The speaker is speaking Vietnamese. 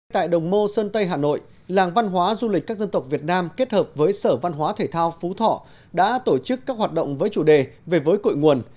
tại đồng mô sơn tây hà nội làng văn hóa du lịch các dân tộc việt nam kết hợp với sở văn hóa thể thao phú thọ đã tổ chức các hoạt động với chủ đề về với cội nguồn